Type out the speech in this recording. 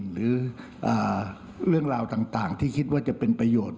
หรือเรื่องราวต่างที่คิดว่าจะเป็นประโยชน์